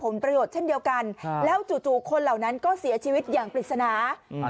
แล้วจู่คนเหล่านั้นก็เสียชีวิตอย่างปริศนา